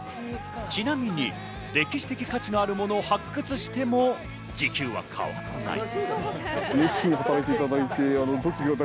ちなみに歴史的価値のあるものを発掘しても時給は変わらない。